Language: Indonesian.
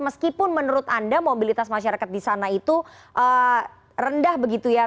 meskipun menurut anda mobilitas masyarakat di sana itu rendah begitu ya